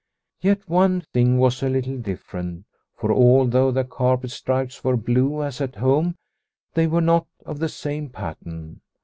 Yet one thing was a little different, for although the carpet stripes were blue as at home they were not of the same pattern.